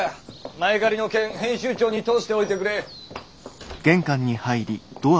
前借りの件編集長に通しておいてくれ。